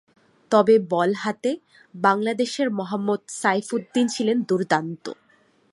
তবে বল হাতে বাংলাদেশের মোহাম্মদ সাইফউদ্দিন ছিলেন দুর্দান্ত।